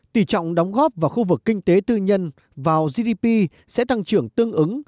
tỷ trọng đóng góp vào khu vực kinh tế tư nhân vào gdp sẽ tăng trưởng tương ứng